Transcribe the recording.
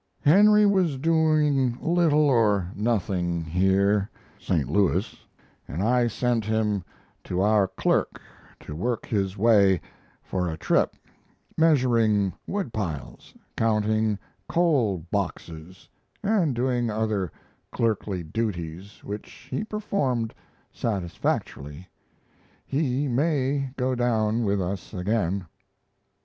Henry was doing little or nothing here (St. Louis), and I sent him to our clerk to work his way for a trip, measuring wood piles, counting coal boxes, and doing other clerkly duties, which he performed satisfactorily. He may go down with us again.